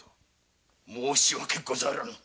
申し訳ござらぬ。